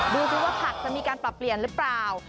ดูสิว่าผักจะมีการปรับเปลี่ยนหรือเปล่า